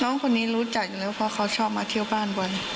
น้องคนนี้รู้จักอยู่แล้วเพราะเขาชอบมาเที่ยวบ้านบ่อย